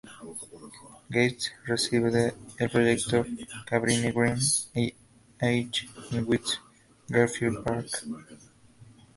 Gates reside en el proyecto Cabrini–Green y Agee en West Garfield Park.